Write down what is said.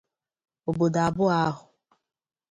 Obodo abụọ ahụ